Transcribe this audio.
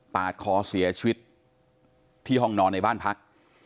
ปาดคอเสียชีวิตที่ห้องนอนในบ้านพัก